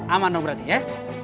aman dong berarti ya